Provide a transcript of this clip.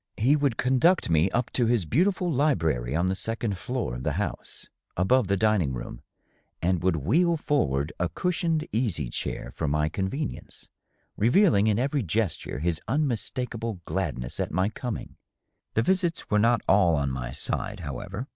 He would con duct me up to his beautiful library on the second floor of the house, above the dining room, and would wheel forward a cushioned easy chair for my convenience, revealing in every gesture his unmistakable glad ness at my coming. The visits were not all on my side, however.